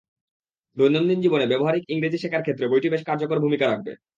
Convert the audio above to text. দৈনন্দিন জীবনে ব্যবহারিক ইংরেজি শেখার ক্ষেত্রে বইটি বেশ কার্যকর ভূমিকা রাখবে।